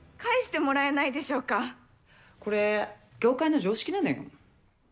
これ、業界の常識なのよ。